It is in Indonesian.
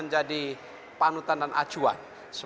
jadi panutan dan acuan